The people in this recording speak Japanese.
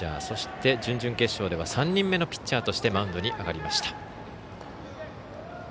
そして、準々決勝では３人目のピッチャーとしてマウンドに上がりました。